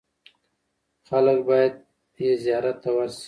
خلک باید یې زیارت ته ورسي.